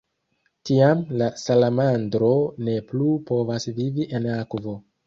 Tiam, la salamandro ne plu povas vivi en akvo.